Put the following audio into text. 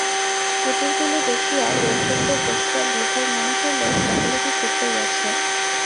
কুটীরগুলি দেখিয়া লােকজনদের দেখিয়া বিভার মনে হইল সকলে কি সুখেই আছে!